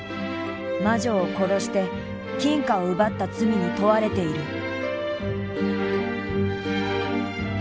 魔女を殺して金貨を奪った罪に問われている。